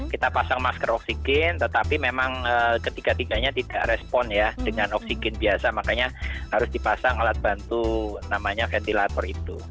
kita pasang masker oksigen tetapi memang ketiga tiganya tidak respon ya dengan oksigen biasa makanya harus dipasang alat bantu namanya ventilator itu